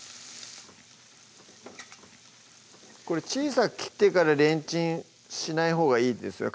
これ小さく切ってからレンチンしないほうがいいんですよ